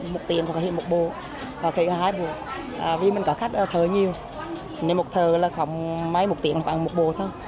một tiền thì một bộ còn khi có hai bộ vì mình có khách thợ nhiều nên một thợ là khoảng mấy một tiền khoảng một bộ thôi